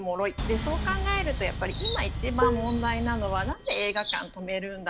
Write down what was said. そう考えると今一番問題なのはなんで映画館を止めるんだ